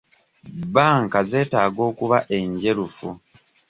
Bbanka zetaaga okuba enjerufu.